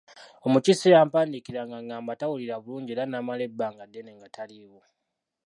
Omukiise yampandiikira ng’agamba tawulira bulungi era n'amala ebbanga ddene nga taliiwo.